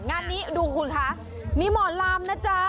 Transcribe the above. งานนี้ดูคุณคะมีหมอลำนะจ๊ะ